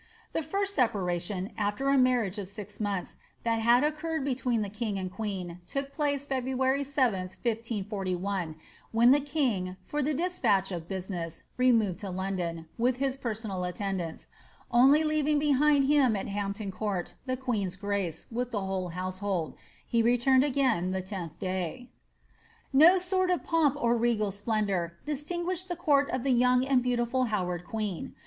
The first separation, after a marriage of six months, that had occuired between the king and queen took place February 7, 1541, when tbe king, for the despatch of business, removed to London, with his per sonal attendants, ^^ only leaving behind him at Hampton Court, the queen's grace, with the whole household : he returned again the tenth day." « No sort of pomp or regal splendour distinguished the court of tbe young and beautiful Howard queen.